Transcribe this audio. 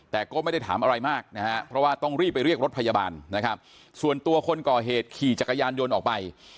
แต่ก็ไม่ได้ถามอะไรมากนะฮะเพราะว่าต้องรีบไปเรียกรถพยาบาลนะครับส่วนตัวคนก่อเหตุขี่จักรยานยนต์ออกไป